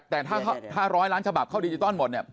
แต่ถ้าร้อยล้านฉบับเข้าดิจิตอลหมดเนี่ย